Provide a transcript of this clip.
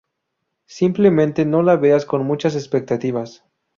Simplemente no la veas con muchas expectativas".